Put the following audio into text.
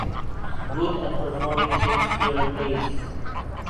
Good at performing Shakespeare plays.